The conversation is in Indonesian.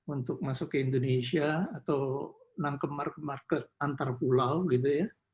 untuk masuk ke indonesia atau nangkep market market antar pulau gitu ya